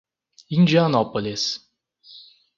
Indianópolis